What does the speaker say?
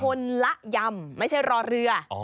คนละยำไม่ใช่รอเรือ